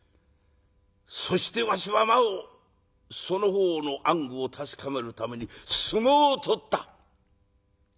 そしてわしはなおその方の暗愚を確かめるために相撲を取った。